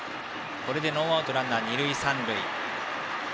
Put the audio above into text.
これでノーアウトランナー、二塁三塁。